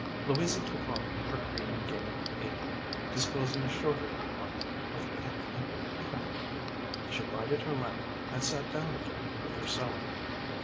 Louisa took off her green gingham apron, disclosing a shorter one of pink and white print. She lighted her lamp, and sat down again with her sewing.